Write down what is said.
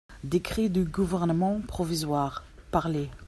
Décret du Gouvernement provisoire…" Parlé.